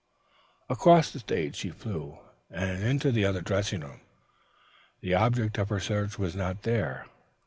Across the stage she flew and into the other dressing room. The object of her search was not there.